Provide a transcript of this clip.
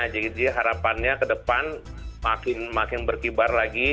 jadi harapannya ke depan makin makin berkibar lagi